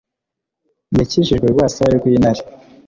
yakijijwe urwasaya rw'intare